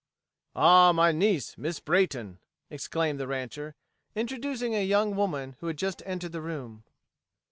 "Ah, my niece, Miss Brayton!" exclaimed the rancher, introducing a young woman who had just entered the room.